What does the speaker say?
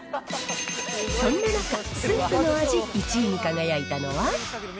そんな中、スープの味１位に輝いたのは。